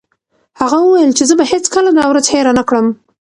هغه وویل چې زه به هیڅکله دا ورځ هېره نه کړم.